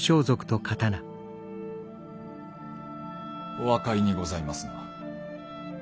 お分かりにございますな。